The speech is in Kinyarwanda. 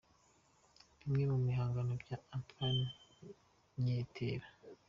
Bimwe mu bihangano bya Antoine Nyetera